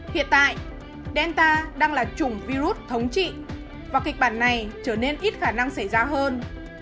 hiện tại delta đang là chủng virus thống trị và kịch bản này trở nên ít khả năng xảy ra hơn